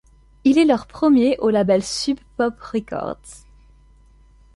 Il est leur premier au label Sub Pop Records.